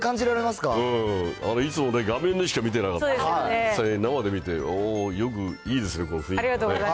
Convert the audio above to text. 何か、いつもね、画面でしか見てなかったんでね、生で見て、いいですね、雰囲気がね。